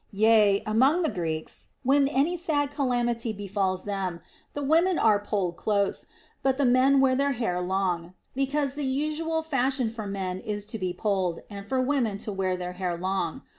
Yea, among the Greeks, when any sad calamity befalls them, the women are polled close but the men wear their hair long, because the usual fashion for men is to be polled and for women to wear their hair long.